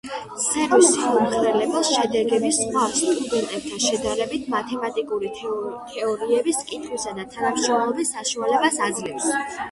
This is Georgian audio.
სერვერი მომხმარებლებს შედეგების სხვა სტუდენტებთან შედარების, მათემატიკური თეორიების კითხვისა და თანამშრომლობის საშუალებას აძლევს.